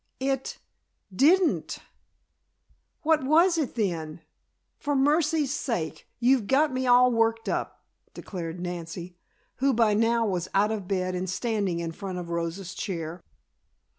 "It didn't." "What was it, then? For mercy sakes! You've got me all worked up," declared Nancy, who by now was out of bed and standing in front of Rosa's chair.